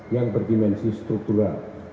yang berdimensi struktural